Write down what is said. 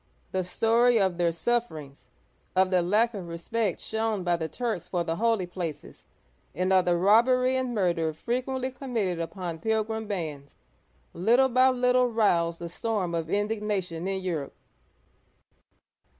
The story of their sufferings, of the lack of respect shown by the Turks for the holy places, and of the robbery and murder frequently committed upon pilgrim bands, little by little roused a storm of indignation in Europe.